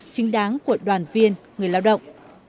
chính đáng của đoàn viên người lao động